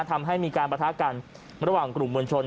ทำให้มีการประทะกันระหว่างกลุ่มมวลชน